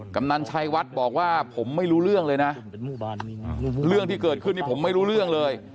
กำนันชัยวัดบอกว่าผมไม่รู้เรื่องเลยนะเรื่องที่เกิดขึ้นนี่ผมไม่รู้เรื่องเลย